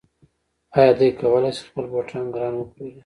آیا دی کولی شي خپل بوټان ګران وپلوري؟